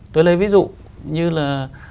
tôi lấy ví dụ như là